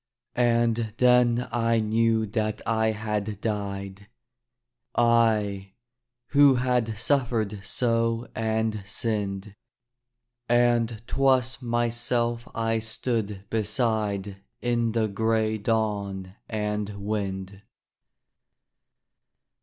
And then I knew that I had died, I, who had suffered so and sinned And 'twas myself I stood beside In the gray dawn and wind.